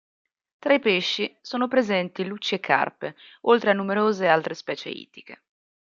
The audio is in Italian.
Tra i pesci sono presenti lucci e carpe, oltre a numerose altre specie ittiche.